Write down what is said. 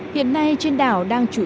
hiện nay trên đảo đang chủ yếu